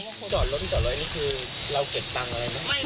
จอดรถต่อเลยนี่คือเราเก็บตังค์อะไรไหม